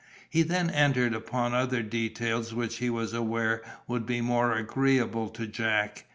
He then entered upon other details which he was aware would be more agreeable to Jack.